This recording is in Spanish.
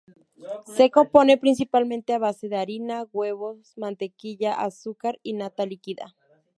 Se compone principalmente a base de harina, huevos, mantequilla, azúcar y nata líquida.